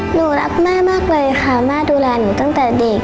หนูรักแม่มากเลยค่ะแม่ดูแลหนูตั้งแต่เด็ก